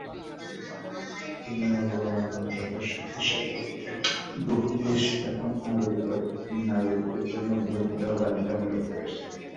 তৃণমূলে গণতন্ত্রকে শক্তিশালী করতে বহু দেশ এখন নাগরিকদের জন্য ভোট দেওয়া বাধ্যতামূলক করছে।